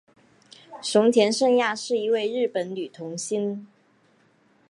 熊田圣亚是一位日本女童星。